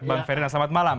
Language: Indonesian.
bang ferdinand selamat malam